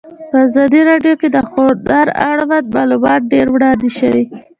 په ازادي راډیو کې د هنر اړوند معلومات ډېر وړاندې شوي.